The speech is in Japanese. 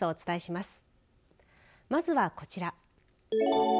まずはこちら。